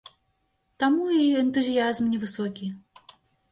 Таму і энтузіязм невысокі.